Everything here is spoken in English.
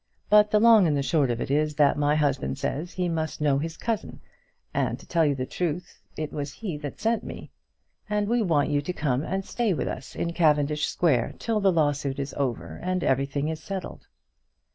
But the long and the short of it is, that my husband says he must know his cousin; and to tell the truth, it was he that sent me; and we want you to come and stay with us in Cavendish Square till the lawsuit is over, and everything is settled."